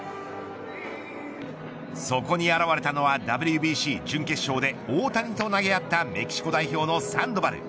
そこに現れたのはＷＢＣ準決勝で大谷と投げ合ったメキシコ代表のサンドバル。